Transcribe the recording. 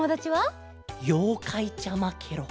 ようかいちゃまケロ。